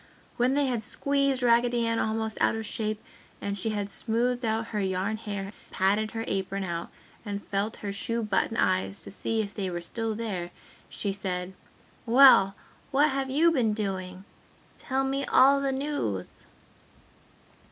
When they had squeezed Raggedy Ann almost out of shape and she had smoothed out her yarn hair, patted her apron out and felt her shoe button eyes to see if they were still there, she said, "Well, what have you been doing? Tell me all the news!"